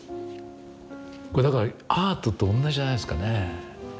これだからアートと同じじゃないですかね。